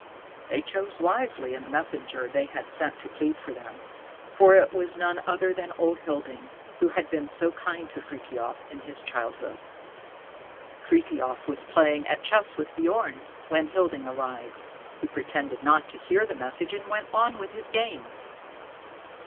They chose wisely in the messenger they sent to plead for them, for it was none other than old Hilding, who had been so kind to Frithiof in his childhood. Frithiof was playing at chess with Bjorn when Hilding arrived. He pretended not to hear the message, and went on with his game.